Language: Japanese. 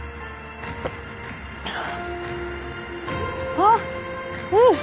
あぁうん。